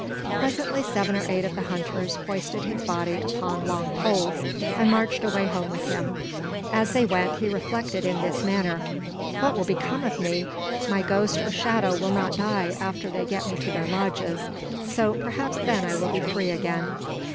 Presently seven or eight of the hunters hoisted his body upon long poles and marched away home with him. As they went, he reflected in this manner: "What will become of me? My ghost or shadow will not die after they get me to their lodges. So perhaps then I will be free again."